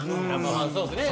そうっすね。